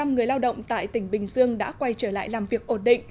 chín mươi bảy người lao động tại tỉnh bình dương đã quay trở lại làm việc ổn định